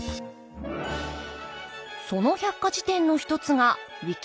その百科事典の一つがウィキペディア。